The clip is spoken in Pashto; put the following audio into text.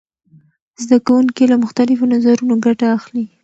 زده کوونکي له مختلفو نظرونو ګټه اخلي.